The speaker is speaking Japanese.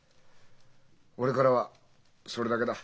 俺からはそれだけだ。